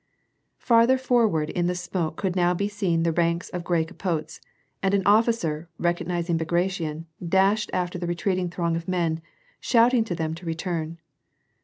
Farther forward in the smoke could now be seen the ranks of gray capotes, and an officer recognizing Bagration, dashed after the retreating throng of men, shouting to them to xetorn.